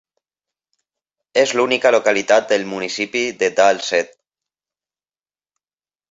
És l'única localitat del municipi de Dals-Ed.